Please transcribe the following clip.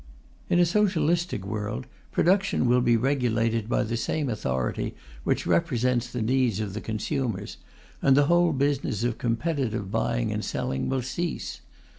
In a socialistic world, production will be regulated by the same authority which represents the needs of the consumers, and the whole business of competitive buying and selling will cease.